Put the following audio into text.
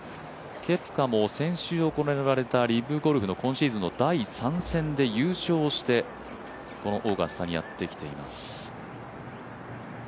ケプカも先週行われたリブゴルフの今シーズンの第３戦で優勝して、このオーガスタにやってきています。